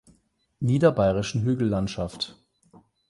Niederbayerischen Hügellandschaft.